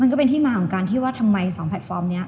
ก็เป็นที่มาของการที่ว่าทำไม๒แพลตฟอร์มนี้